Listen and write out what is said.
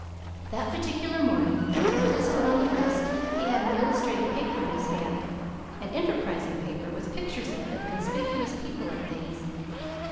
That particular morning, when he put his foot on the rest, he had an illustrated paper in his hand an enterprising paper, with pictures in it of conspicuous people and things.